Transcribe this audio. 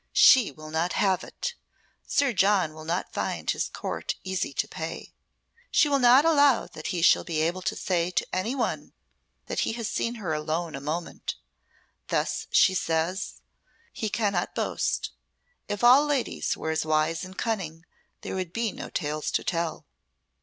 She will not have it! Sir John will not find his court easy to pay. She will not allow that he shall be able to say to any one that he has seen her alone a moment. Thus, she says, he cannot boast. If all ladies were as wise and cunning, there would be no tales to tell."